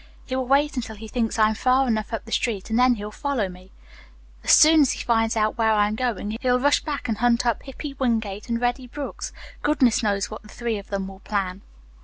He will wait until he thinks I am far enough up the street and then he'll follow me. As soon as he finds out where I am going he'll rush back and hunt up Hippy Wingate and Reddy Brooks. Goodness knows what the three of them will plan."